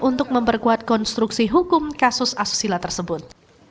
untuk memperkuat konstruksi hukum kasus asusila tersebut